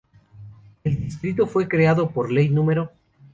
El distrito fue creado por Ley No.